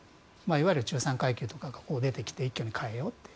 いわゆる中産階級とかが出てきて変えようと。